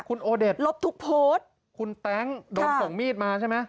คุณโอเดชลบทุกโพสต์คุณแต๊งโดนส่งมีดมาใช่ไหม